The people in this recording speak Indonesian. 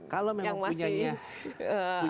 kalau memang punya di harga atas